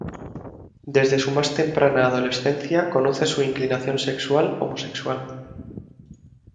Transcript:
Desde su más temprana adolescencia conoce su inclinación sexual homosexual.